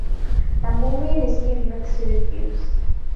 The movie received mixed reviews.